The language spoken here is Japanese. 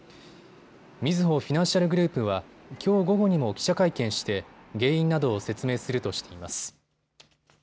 みずほフィナンシャルグループはきょう午後にも記者会見して原因などを説明するとしています。